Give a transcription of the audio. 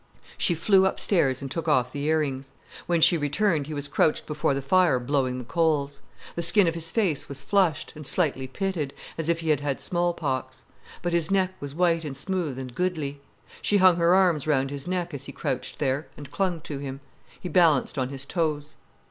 She flew upstairs and took off the ear rings. When she returned, he was crouched before the fire blowing the coals. The skin of his face was flushed, and slightly pitted, as if he had had small pox. But his neck was white and smooth and goodly. She hung her arms round his neck as he crouched there, and clung to him. He balanced on his toes.